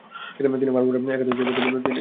তিনি মার্লবোরা একাদশের পক্ষে তিন মৌসুম খেলেছিলেন।